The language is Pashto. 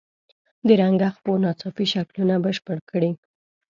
د رنګه خپو ناڅاپي شکلونه بشپړ کړئ.